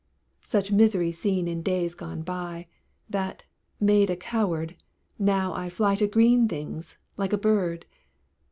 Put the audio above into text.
Such misery seen in days gone by, That, made a coward, now I fly To green things, like a bird.